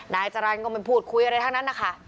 นายจรรย์ก็ไม่พูดคุยอะไรทั้งนั้นนะคะ